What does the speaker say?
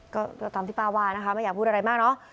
ก็ตามที่ป้าว่านะคะไม่อยากพูดอะไรมากเนอะ